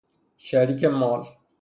شریک مال